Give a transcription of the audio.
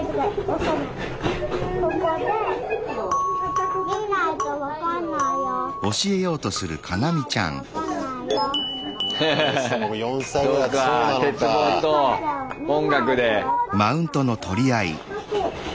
そうか鉄棒と音楽で。